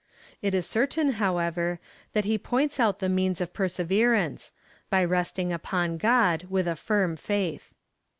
It is certain, how ever, that he points out the means of perseverance — by rest ing upon God with a firm faith..